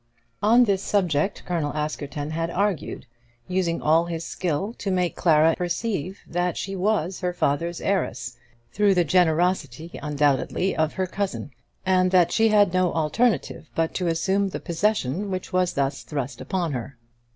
On this subject Colonel Askerton had argued, using all his skill to make Clara in truth perceive that she was her father's heiress, through the generosity undoubtedly of her cousin, and that she had no alternative but to assume the possession which was thus thrust upon her.